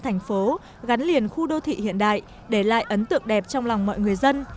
thành phố gắn liền khu đô thị hiện đại để lại ấn tượng đẹp trong lòng mọi người dân